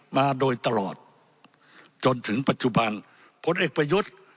มาโดยตลอดจนถึงปัจจุบันผลเอกประยุทธ์